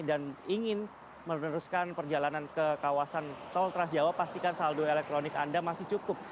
dan ingin meneruskan perjalanan ke kawasan tol trasjawa pastikan saldo elektronik anda masih cukup